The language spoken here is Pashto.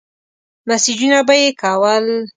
مسېجونه به يې کول.